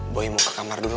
boy mau ke kamar dulu